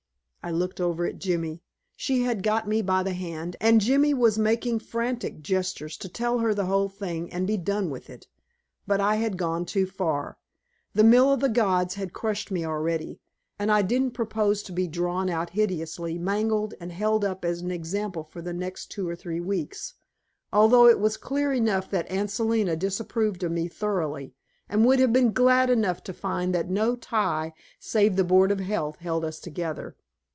I looked over at Jimmy. She had got me by the hand, and Jimmy was making frantic gestures to tell her the whole thing and be done with it. But I had gone too far. The mill of the gods had crushed me already, and I didn't propose to be drawn out hideously mangled and held up as an example for the next two or three weeks, although it was clear enough that Aunt Selina disapproved of me thoroughly, and would have been glad enough to find that no tie save the board of health held us together.